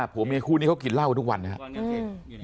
ผัวเมียคู่นี้เขากินเหล้าทุกวันนะครับ